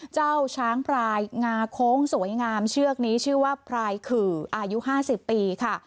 เจ้าช้างพรายงาโค้งสวยงามเชือกนี้ชื่อว่าพรายขื่ออายุ๕๐ปีค่ะ